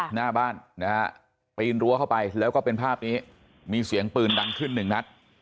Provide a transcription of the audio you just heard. หน้าบ้านนะฮะปีนรั้วเข้าไปแล้วก็เป็นภาพนี้มีเสียงปืนดังขึ้นหนึ่งนัด